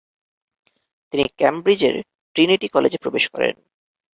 তিনি ক্যামব্রিজের ট্রিনিটি কলেজে প্রবেশ করেন।